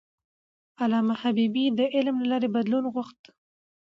علامه حبيبي د علم له لارې بدلون غوښت.